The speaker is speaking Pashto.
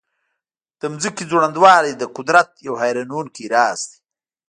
د ځمکې ځوړندوالی د قدرت یو حیرانونکی راز دی.